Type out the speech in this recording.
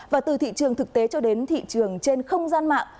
và từ thị trường thực tế cho đến thị trường trên không gian mạng